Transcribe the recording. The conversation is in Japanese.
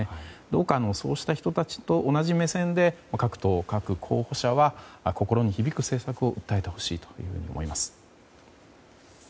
どうか、そういう人たちと同じ目線で各党、各候補者は心に響く政策を訴えてほしいと思います。